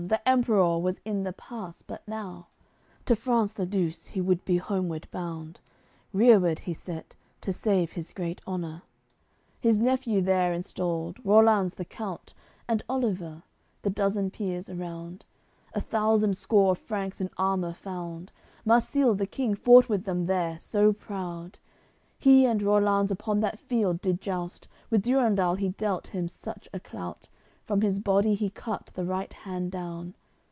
That Emperour was in the pass but now; To France the Douce he would be homeward bound, Rereward he set, to save his great honour: His nephew there installed, Rollanz the count, And Oliver; the dozen peers around; A thousand score of Franks in armour found. Marsile the king fought with them there, so proud; He and Rollanz upon that field did joust. With Durendal he dealt him such a clout From his body he cut the right hand down.